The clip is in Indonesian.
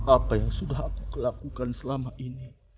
apa yang sudah aku kelakukan selama ini